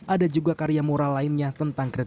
ada juga karya mural lainnya tentang kredit